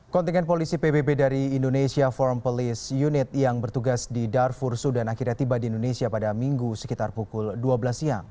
kontingen polisi pbb dari indonesia forum police unit yang bertugas di darfur sudan akhirnya tiba di indonesia pada minggu sekitar pukul dua belas siang